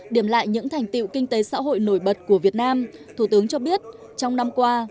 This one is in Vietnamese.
điểm lại những thành tiệu kinh tế xã hội nổi bật của việt nam thủ tướng cho biết trong năm qua